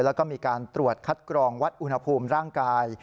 แล้วก็มีการตรวจคัดกรองวัดอุณหภูมิร่างกาย